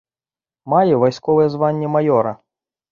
Мае вайсковае званне маёра.